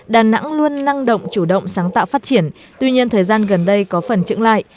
đà nẵng luôn năng động chủ động sáng tạo phát triển tuy nhiên thời gian gần đây có phần trưởng lại